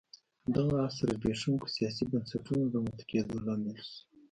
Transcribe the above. دغه عصر د زبېښونکو سیاسي بنسټونو رامنځته کېدو لامل شو